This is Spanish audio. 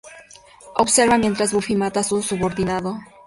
Observa mientras Buffy mata a su subordinado.